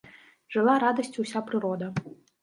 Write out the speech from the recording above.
Жыла радасцю ўся прырода.